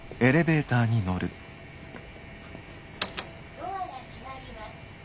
「ドアが閉まります」。